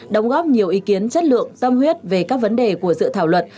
đóng góp nhiều ý kiến chất lượng tâm huyết về các vấn đề của dự thảo luật